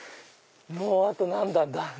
もうあと何段だ？